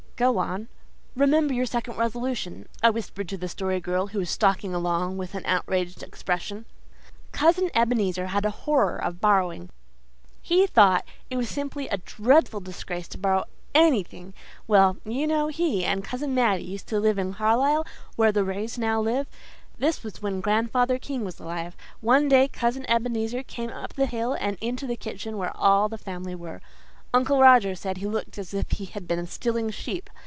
"Go on. Remember your second resolution," I whispered to the Story Girl, who was stalking along with an outraged expression. The Story Girl swallowed something and went on. "Cousin Ebenezer had a horror of borrowing. He thought it was simply a dreadful disgrace to borrow ANYTHING. Well, you know he and Cousin Mattie used to live in Carlisle, where the Rays now live. This was when Grandfather King was alive. One day Cousin Ebenezer came up the hill and into the kitchen where all the family were. Uncle Roger said he looked as if he had been stealing sheep.